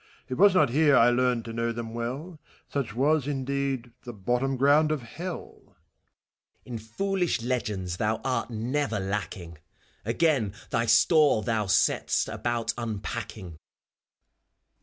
189 It was not here I learned to know them well ; Such was, indeed, the hottom gronnd of Hell. FAUST. In foolish legends thou art never lacking; Again thy store thou set'st about unpacking.